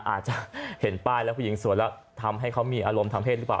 อาจจะเห็นป้ายแล้วผู้หญิงสวยแล้วทำให้เขามีอารมณ์ทางเพศหรือเปล่า